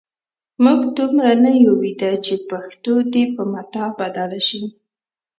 موږ دومره هم نه یو ویده چې پښتو دې په متاع بدله شي.